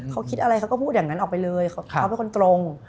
เขาคิดอะไรเขาก็พูดอย่างนั้นออกไปเลยเขาเป็นคนตรง